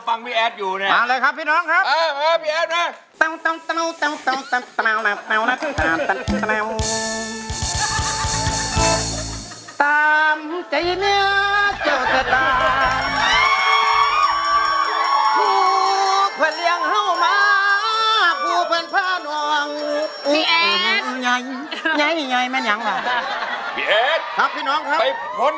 พี่แอดจะลองไปกันบ้างเพราะกับพี่แอด